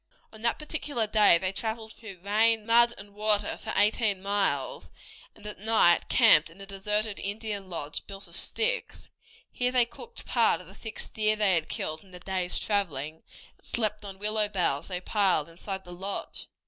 On that particular day they traveled through rain, mud, and water for eighteen miles, and at night camped in a deserted Indian lodge built of sticks. Here they cooked part of the six deer they had killed in the day's traveling, and slept on willow boughs they piled inside the lodge.